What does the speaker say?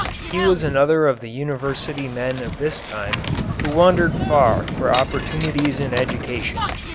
He was another of the university men of this time who wandered far for opportunities in education.